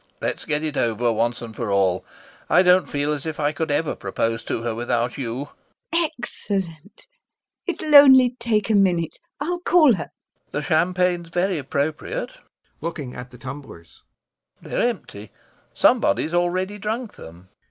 Let's get it over, once and for all; I don't feel as if I could ever propose to her without you. LUBOV. Excellent. It'll only take a minute. I'll call her. LOPAKHIN. The champagne's very appropriate. [Looking at the tumblers] They're empty, somebody's already drunk them.